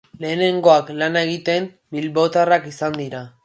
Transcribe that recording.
Lehenengoak lana egiten bilbotarrak izan dira.